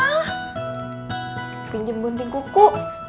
ah pinjem gunting kuku